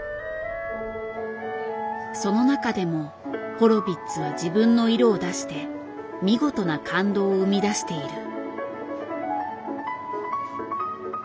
その中でもホロヴィッツは自分の色を出して見事な感動を生み出している。